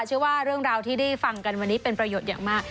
เชื่อว่าเรื่องราวที่ได้ฟังกันวันนี้เป็นประโยชน์อย่างมาก